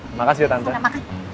udah nanti kita omongin lagi oke